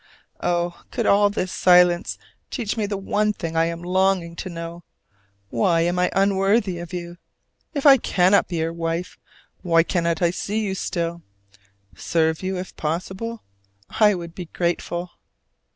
Oh, could all this silence teach me the one thing I am longing to know! why am I unworthy of you? If I cannot be your wife, why cannot I see you still, serve you if possible? I would be grateful.